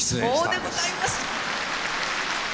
そうでございます。